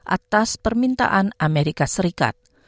atas permintaan amerika serikat